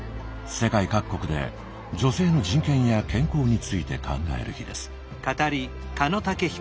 世界各国で女性の人権や健康について考える日です。